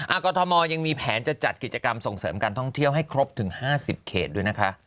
กรทมยังมีแผนจะจัดกิจกรรมส่งเสริมการท่องเที่ยวให้ครบถึง๕๐เขตด้วยนะคะ